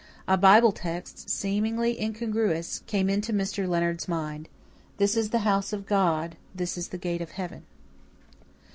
A Bible text, seemingly incongruous, came into Mr. Leonard's mind "This is the house of God; this is the gate of heaven."